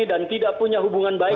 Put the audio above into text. dan tidak punya hubungan baik